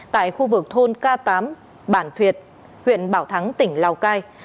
tại khu vực thôn k tám bản việt huyện bảo thắng tỉnh lào cai